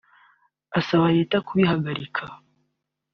asaba leta kubihagarika